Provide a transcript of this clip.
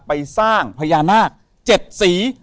ไปสร้างพญานาค๗สี